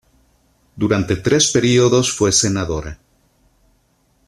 Durante tres períodos fue senadora.